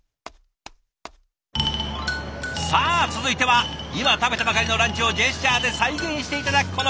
さあ続いては今食べたばかりのランチをジェスチャーで再現して頂く